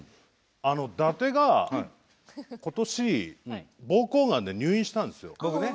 伊達がことしぼうこうがんで入院したんですよ。